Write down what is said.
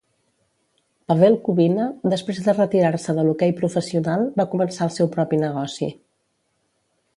Pavel Kubina, després de retirar-se de l'hoquei professional, va començar el seu propi negoci.